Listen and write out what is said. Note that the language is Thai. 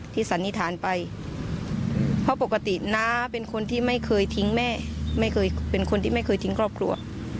สันนิษฐานไปเพราะปกติน้าเป็นคนที่ไม่เคยทิ้งแม่ไม่เคยเป็นคนที่ไม่เคยทิ้งครอบครัว